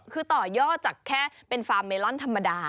คือต่อยอดจากแค่เป็นฟาร์มเมลอนธรรมดา